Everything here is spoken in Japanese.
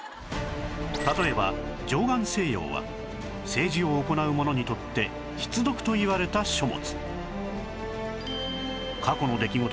例えば『貞観政要』は政治を行う者にとって必読といわれた書物